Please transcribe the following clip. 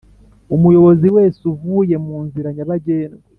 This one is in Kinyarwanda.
Umuyobozi wese uvuye mu nzira nyabagendwa